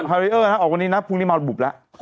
รีเออร์นะออกวันนี้นะพรุ่งนี้มาระบบแล้ว